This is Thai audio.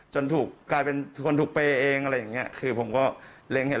ถูกกลายเป็นคนถูกเปย์เองอะไรอย่างเงี้ยคือผมก็เล็งเห็น